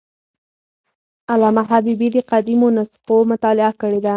علامه حبیبي د قدیمو نسخو مطالعه کړې ده.